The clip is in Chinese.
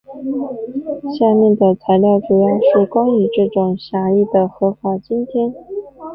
下面的材料主要是关于这种狭义的合法监听。